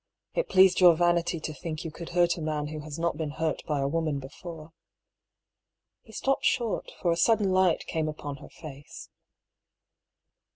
It pleased your vanity to think you could hurt a man who has not been hurt by a woman before." He stopped short, for a sudden light came upon her face.